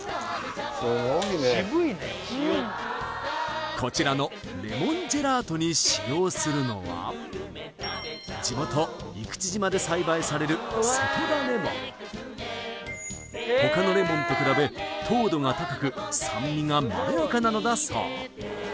すごいねこちらのレモンジェラートに使用するのは地元生口島で栽培される瀬戸田レモン他のレモンと比べ糖度が高く酸味がまろやかなのだそう